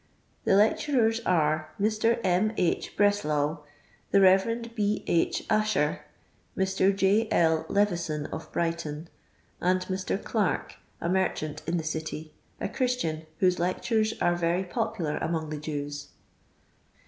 The lecturers arc Air. M. II. Bresslau, the Rev. n. II. A.^chcr, Mr. J. L. Levisou (of Brighton), nnd Mr. Clarke, a merchant in the City, a Chris tian, whose lectures are very popular among the Jews.